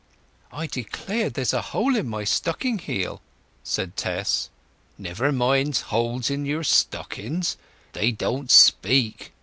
"I declare there's a hole in my stocking heel!" said Tess. "Never mind holes in your stockings—they don't speak!